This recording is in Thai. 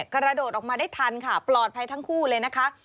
กระโดดออกมาได้ทันค่ะปลอดภัยทั้งคู่เลยนะคะ